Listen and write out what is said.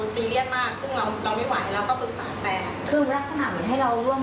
จะไม่เป็นฝีบ้านนี้แบบเขา